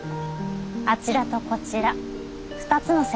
あちらとこちら２つの世界に。